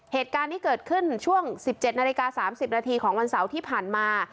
เหตุการณ์นี้เกิดขึ้นช่วง๑๗นาฬิกา๓๐นาทีของวันเสาร์ที่ผ่านมา